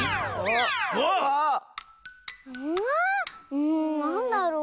うんなんだろう？